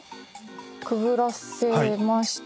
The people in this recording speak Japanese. くぐらせました。